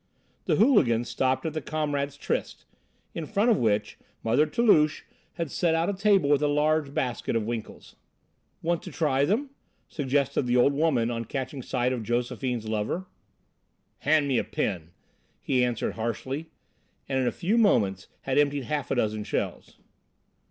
The hooligan stopped at the "Comrades' Tryst," in front of which Mother Toulouche had set out a table with a large basket of winkles. "Want to try them?" suggested the old woman on catching sight of Josephine's lover. "Hand me a pin," he answered harshly, and in a few moments had emptied half a dozen shells.